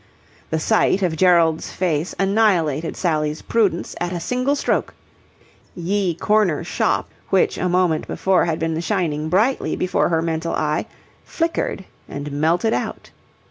The sight of Gerald's face annihilated Sally's prudence at a single stroke. Ye Corner Shoppe, which a moment before had been shining brightly before her mental eye, flickered and melted out.